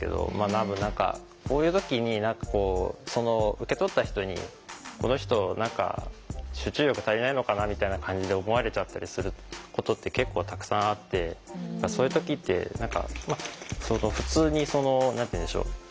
こういう時に何かこう受け取った人に「この人何か集中力足りないのかな」みたいな感じで思われちゃったりすることって結構たくさんあってそういう時って何か普通にその何て言うんでしょう